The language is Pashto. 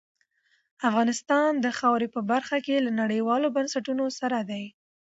افغانستان د خاورې په برخه کې له نړیوالو بنسټونو سره دی.